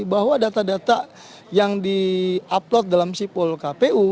bahwa data data yang di upload dalam sipol kpu